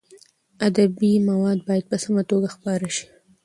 ادبي مواد باید په سمه توګه خپاره شي.